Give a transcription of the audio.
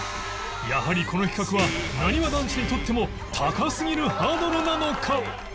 やはりこの企画はなにわ男子にとっても高すぎるハードルなのか？